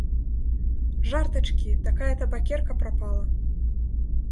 Жартачкі, такая табакерка прапала!